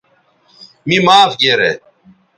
می معاف گیرے